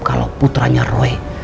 kalau putranya roy